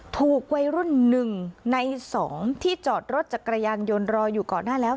ถูกไวรุ่นหนึ่งในสองที่จอดรถจากกระยันยนต์รออยู่ก่อนหน้าแล้ว